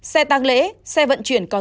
xe tăng lễ xe vận chuyển có dây phong